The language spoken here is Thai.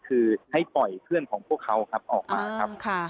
คือให้ปล่อยเพื่อนพวกเขาออกมาครับ